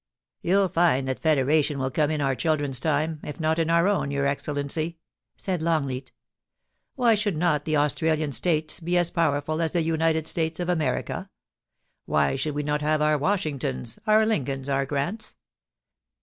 * You'll find that Federation will come in our children's time, if not in our own, your Excellency,' said Longleat ' Why should not the Australian States be as powerful as the United States of America? Why should we not have our Washingtons, our Lincolns, our Grants